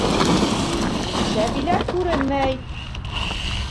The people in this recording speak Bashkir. Сәбилә күренмәй...